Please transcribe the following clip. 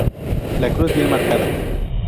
La cruz bien marcada.